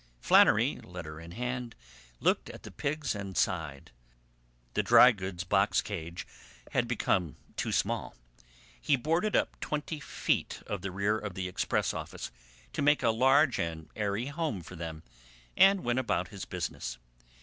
Flannery, letter in hand, looked at the pigs and sighed. The dry goods box cage had become too small. He boarded up twenty feet of the rear of the express office to make a large and airy home for them, and went about his business.